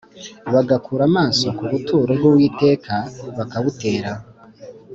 bagakura amaso ku buturo bw Uwiteka bakabutera